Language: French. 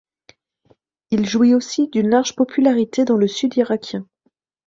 Il jouit aussi d’une large popularité dans le Sud irakien.